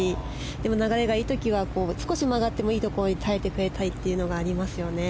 でも流れがいい時は少し曲がってもいいところで耐えてくれたりというのがありますね。